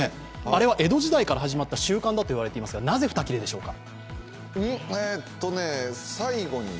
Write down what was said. あれは江戸時代から始まった習慣かと言われていますが、なぜ２切れでしょうか。